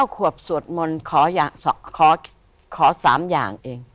๙ขวบสวดมนตร์ขออย่างสองขอสามอย่างเอง